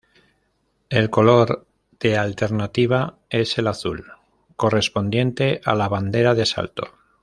El color de alternativa es el azul, correspondiente a la bandera de Salto.